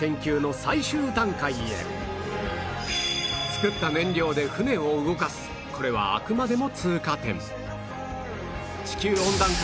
作った燃料で船を動かすこれはあくまでも通過点